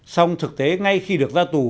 xong thực tế ngay khi được ra tù